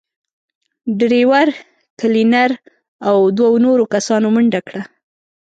ډرېور، کلينر او دوو نورو کسانو منډه کړه.